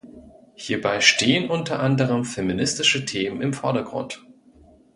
Hierbei stehen unter anderem feministische Themen im Vordergrund.